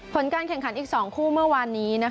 ผลการแข่งขันอีก๒คู่เมื่อวานนี้